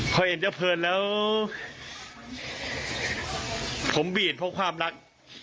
พอเห็นเจ้าเพลินแล้วผมบีดเพราะความรัก